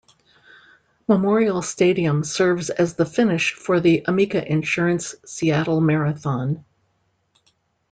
Memorial Stadium serves as the finish for the Amica Insurance Seattle Marathon.